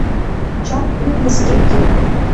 Чагә уи днаскьеигеит.